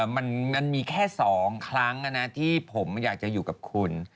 มันมีแค่๒ครั้งที่ผมอยากจะอยู่กับคุณ